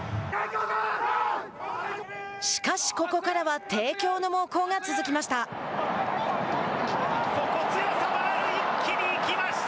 しかし、ここからは帝京の猛攻が続きました。